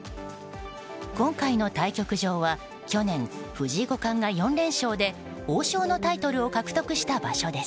今回の対局場は去年、藤井五冠が４連勝で王将のタイトルを獲得した場所です。